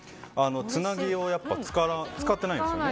つなぎを使ってないんですね。